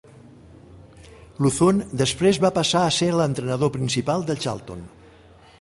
Luzon després va passar a ser l'entrenador principal de Charlton.